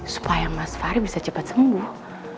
supaya mas fahri bisa cepat sembuh